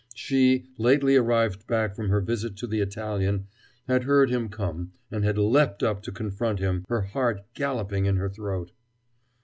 She, lately arrived back from her visit to the Italian, had heard him come, and had leapt up to confront him, her heart galloping in her throat.